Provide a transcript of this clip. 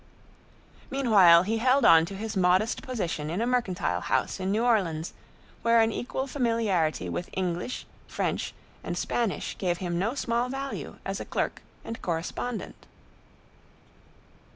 Meanwhile he held on to his modest position in a mercantile house in New Orleans, where an equal familiarity with English, French and Spanish gave him no small value as a clerk and correspondent.